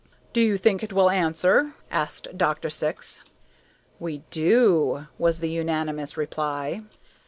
"Do you think it will answer?" asked Dr. Syx. "We do," was the unanimous reply.